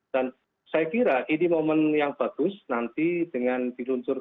dan saya kira ini momen yang bagus nanti dengan diluncurkan